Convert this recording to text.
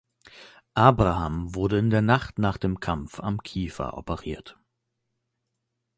Abraham wurde in der Nacht nach dem Kampf am Kiefer operiert.